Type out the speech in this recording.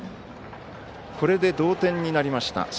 これで同点になりました。